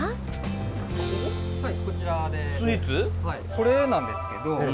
これなんですけど。